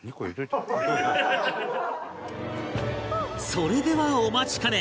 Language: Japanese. それではお待ちかね！